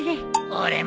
俺も。